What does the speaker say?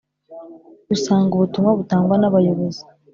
usanga ubutumwa butangwa n abayobozi